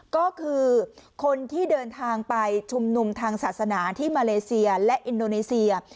ก็คือคนที่เดินทางไปชุมนุมทางศาสนาที่มาเลเซียและอินโดนีเซีย